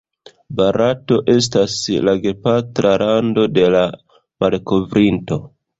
Barato estas la gepatra lando de la malkovrinto.